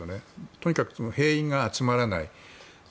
とにかく兵員が集まらない。